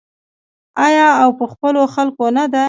آیا او په خپلو خلکو نه ده؟